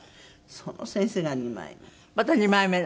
その先生が二枚目。